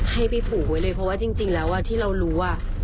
ให้ไปผูกไว้เลยเพราะว่าจริงแล้วที่เรารู้